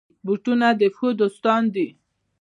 بوټونه د پښو دوستان دي.